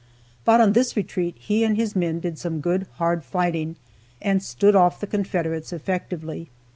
But on this retreat he and his men did some good, hard fighting, and stood off the Confederates effectively.